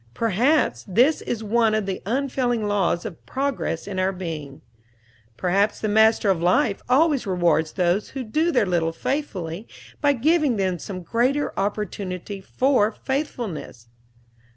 Perhaps this is one of the unfailing laws of progress in our being. Perhaps the Master of Life always rewards those who do their little faithfully by giving them some greater opportunity for faithfulness.